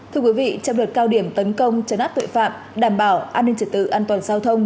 trong đợt cao điểm tấn công chấn áp tội phạm đảm bảo an ninh trật tự an toàn giao thông